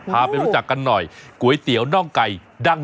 พาไปรู้จักกันหน่อยก๋วยเตี๋ยวน่องไก่ดัง